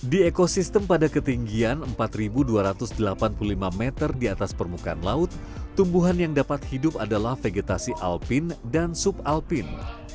di ekosistem pada ketinggian empat dua ratus delapan puluh lima meter di atas permukaan laut tumbuhan yang dapat hidup adalah vegetasi alpin dan sub alpin